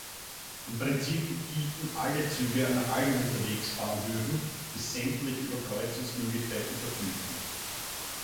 Im Prinzip hielten alle Züge an allen Unterwegsbahnhöfen, die sämtlich über Kreuzungsmöglichkeiten verfügten.